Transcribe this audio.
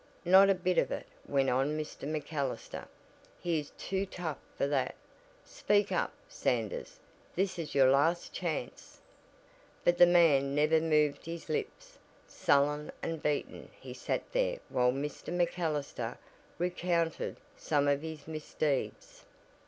"Not a bit of it," went on Mr. MacAllister. "He is too tough for that. Speak up, Sanders. This is your last chance." But the man never moved his lips. Sullen and beaten he sat there while Mr. MacAllister, recounted some of his misdeeds.